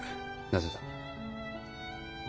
なぜだ？